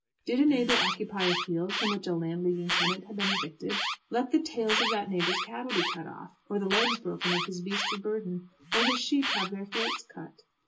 Did a neighbour occupy a field from which a Landleaguing tenant had been evicted, let the tails of that neighbour's cattle be cut off, or the legs broken of his beasts of burden, or his sheep have their throats cut.